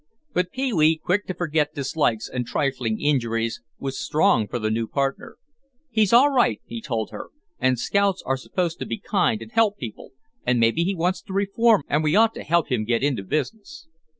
But Pee wee, quick to forget dislikes and trifling injuries, was strong for the new partner. "He's all right," he told her, "and scouts are supposed to be kind and help people and maybe he wants to reform and we ought to help him get into business."